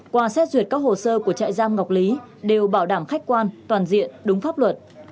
qua xét duyệt các hồ sơ của trại giam ngọc lý đều bảo đảm khách quan toàn diện đúng pháp luật